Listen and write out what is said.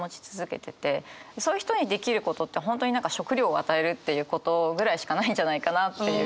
そういう人にできることって本当に食料を与えるっていうことぐらいしかないんじゃないかなっていう。